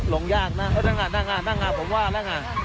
ลงยากนะนั่งอ่ะผมว่าแล้วไง